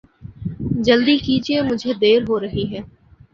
جلدی کیجئے مجھے دعر ہو رہی ہے